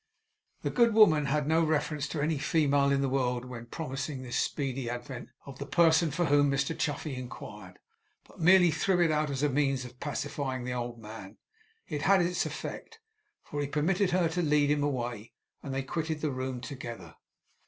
The good woman had no reference to any female in the world in promising this speedy advent of the person for whom Mr Chuffey inquired, but merely threw it out as a means of pacifying the old man. It had its effect, for he permitted her to lead him away; and they quitted the room together.